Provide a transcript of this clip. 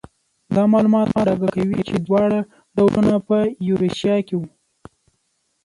دا معلومات په ډاګه کوي چې دواړه ډولونه په ایروشیا کې وو.